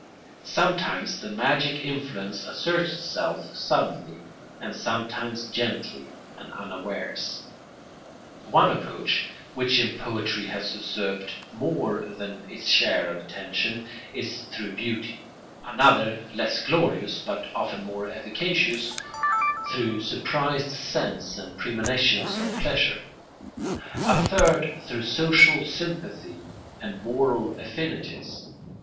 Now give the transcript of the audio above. Sometimes the magic influence asserts itself suddenly, sometimes gently and unawares. One approach, which in poetry has usurped more than its share of attention, is through beauty; another, less glorious, but often more efficacious, through surprised sense and premonitions of pleasure; a third through social sympathy and moral affinities.